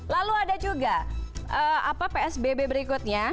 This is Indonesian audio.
lalu ada juga psbb berikutnya